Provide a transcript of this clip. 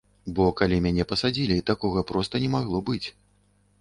Бо калі мяне пасадзілі, такога проста не магло быць.